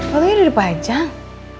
pokoknya udah di pajang